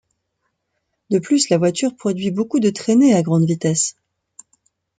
De plus, la voiture produit beaucoup de traînée à grande vitesse.